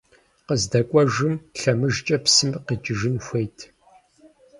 КъыздэкӀуэжым лъэмыжкӀэ псым къикӀыжын хуейт.